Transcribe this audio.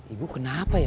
ibu kenapa ya